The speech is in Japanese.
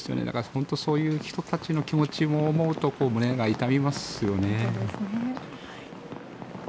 本当にそういう人たちの気持ちを思うと胸が痛みますよね。